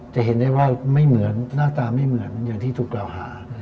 จะเห็นได้ว่าหน้าตาม่เหมือนอย่างที่ถูกเราหา